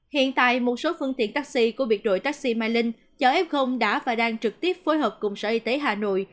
hiện tại một số phương tiện taxi của biệt đội taxi mai linh cho f đã và đang trực tiếp phối hợp cùng sở y tế hà nội